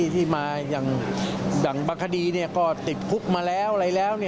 ที่มาอย่างบางคดีก็ติดคุกมาแล้วอะไรแล้ว